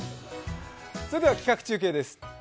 それでは企画中継です。